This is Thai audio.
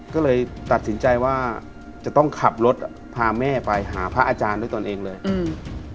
ก็เลยตัดสินใจว่าจะต้องขับรถอ่ะพาแม่ไปหาพระอาจารย์ด้วยตนเองเลยอืม